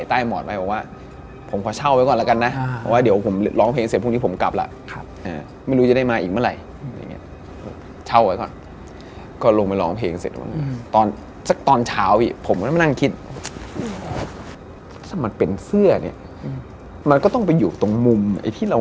แต่ว่าไม่ถึงปางแน่วันนี้